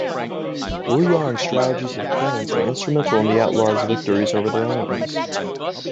Wu Yong's strategies and plans are instrumental in the outlaws' victories over their enemies.